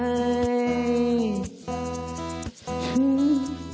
เธอคนนี้คือคนที่ฉันขอบคุณ